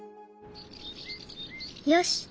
よし。